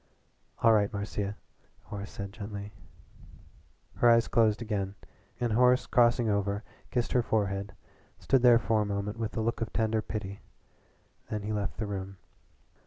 "All right, Marcia," Horace said gently. Her eyes closed again and Horace crossing over kissed her forehead stood there for a moment with a look of tender pity. Then he left the room.